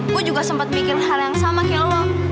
gue juga sempet mikirin hal yang sama kayak lo